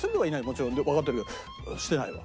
もちろんわかってるけどしてないわ。